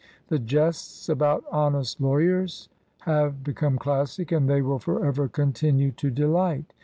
The jests about honest law yers have become classic, and they will forever continue to delight.